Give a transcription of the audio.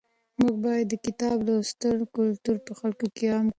موږ باید د کتاب لوستلو کلتور په خلکو کې عام کړو.